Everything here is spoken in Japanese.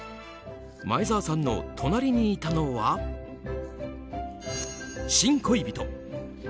前澤さんの隣にいたのは新恋人。